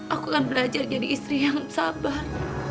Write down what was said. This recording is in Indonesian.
aku akan belajar jadi istri yang sabar